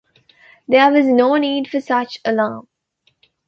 There was no need for such alarm.